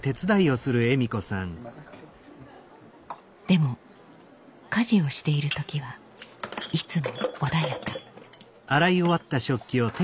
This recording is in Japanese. でも家事をしている時はいつも穏やか。